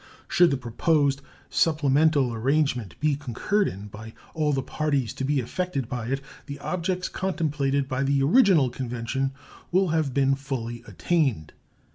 Should the proposed supplemental arrangement be concurred in by all the parties to be affected by it, the objects contemplated by the original convention will have been fully attained.